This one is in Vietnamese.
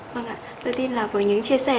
vâng ạ tôi tin là với những chia sẻ